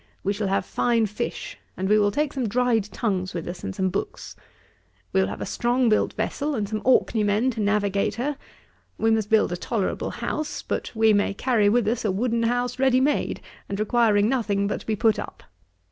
We shall have fine fish, and we will take some dried tongues with us, and some books. We will have a strong built vessel, and some Orkney men to navigate her. We must build a tolerable house: but we may carry with us a wooden house ready made, and requiring nothing but to be put up.